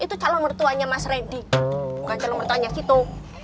itu calon mertuanya mas reddy bukan calon mertuanya gitu